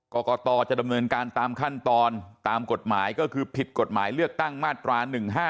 กรกตจะดำเนินการตามขั้นตอนตามกฎหมายก็คือผิดกฎหมายเลือกตั้งมาตรา๑๕